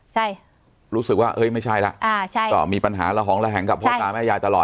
ใช่รู้สึกว่าเอ้ยไม่ใช่แล้วอ่าใช่ก็มีปัญหาระหองระแหงกับพ่อตาแม่ยายตลอด